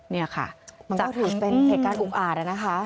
มันก็ถือเป็นเหตุการณ์ถูกอ่านแล้วนะคะ